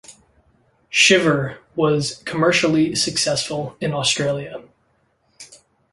"Shiver" was commercially successful in Australia.